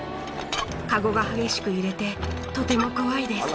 カゴが激しく揺れてとても怖いです。